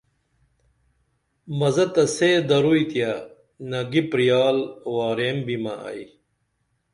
مزہ تہ سے درو تیہ نگی پریال وارینبیمہ ائی